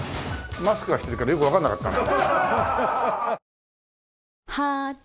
マスクしてるからよくわからなかったな。